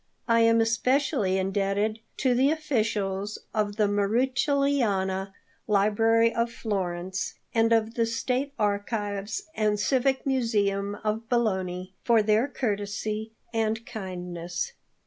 I am especially indebted to the officials of the Marucelliana Library of Florence, and of the State Archives and Civic Museum of Bologna, for their courtesy and kindness.